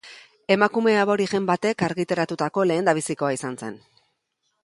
Emakume aborigen batek argitaratutako lehendabizikoa izan zen.